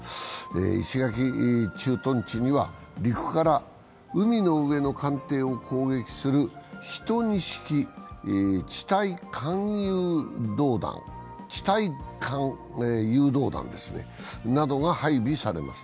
石垣駐屯地には陸から海の上を艦艇を攻撃する１２式地対艦誘導弾などが配備されます。